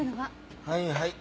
はいはい。